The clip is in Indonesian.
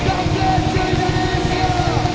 kau kerja indonesia